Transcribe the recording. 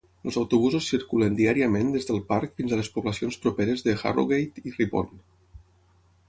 Els autobusos circulen diàriament des del parc fins a les poblacions properes d'Harrogate i Ripon.